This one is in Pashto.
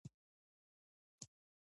هلته په المارۍ کي یې کښېږده !